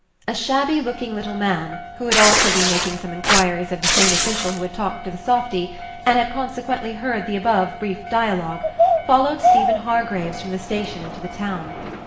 A shabby looking little man, who had also been making some inquiries of the same official who had talked to the softy, and had consequently Page 183 heard the above brief dialogue, followed Stephen Hargraves from the station into the town.